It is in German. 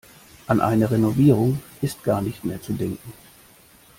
An eine Renovierung ist gar nicht mehr zu denken.